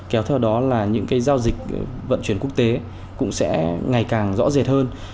kéo theo đó là những giao dịch vận chuyển quốc tế cũng sẽ ngày càng rõ rệt hơn